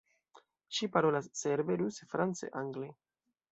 Ŝi parolas serbe, ruse, france, angle.